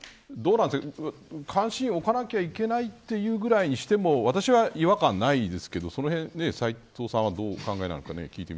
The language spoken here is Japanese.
監視員を置かなきゃいけないというぐらいにしても私は違和感ないですけどそのへん、斎藤さんはどうお考ですか。